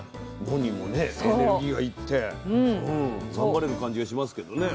脳にもねエネルギーが行って頑張れる感じがしますけどね。